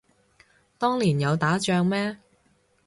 當年有打仗咩